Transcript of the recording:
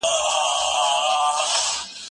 زه کتاب نه ليکم؟؟